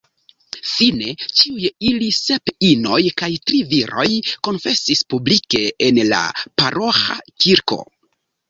Fine, ĉiuj ili, sep inoj kaj tri viroj, konfesis publike en la paroĥa kirko.